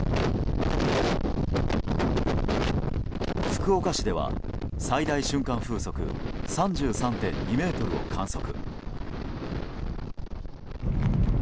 福岡市では最大瞬間風速３３．２メートルを観測。